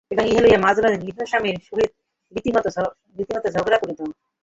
এবং ইহা লইয়া মাঝে মাঝে গৃহস্বামীর সহিত রীতিমত ঝগড়া করিত।